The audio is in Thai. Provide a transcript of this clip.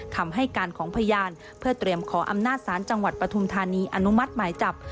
คำให้การของพยานเพื่อเตรียมขออำนาจศาลจังหวัดปฐุมธานีอนุมัติหมายจับ